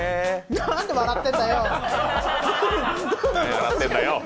なんで笑ってんだよ！